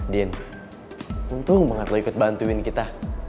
din untung banget lo ikut bantuin kita